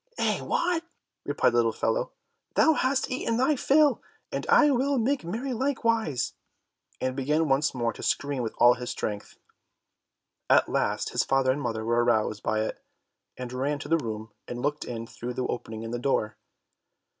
"Eh, what," replied the little fellow, "thou hast eaten thy fill, and I will make merry likewise," and began once more to scream with all his strength. At last his father and mother were aroused by it, and ran to the room and looked in through the opening in the door.